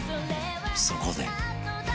そこで